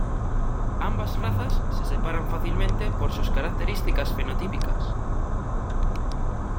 Ambas razas se separan fácilmente por sus características fenotípicas.